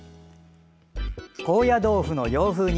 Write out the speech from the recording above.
高野豆腐の洋風煮